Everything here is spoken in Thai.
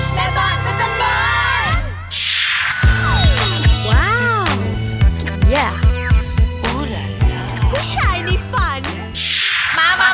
เป้บทรัพย์ประจำบาน